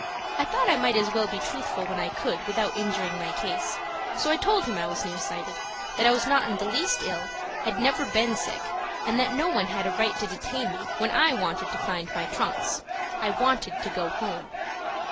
I thought I might as well be truthful when I could without injuring my case, so I told him I was near sighted, that I was not in the least ill, had never been sick, and that no one had a right to detain me when I wanted to find my trunks. I wanted to go home.